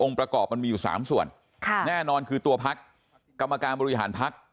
องค์ประกอบมันมีอยู่สามส่วนค่ะแน่นอนคือตัวภักดิ์กรรมการบริหารภักดิ์